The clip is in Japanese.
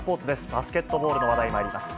バスケットボールの話題まいります。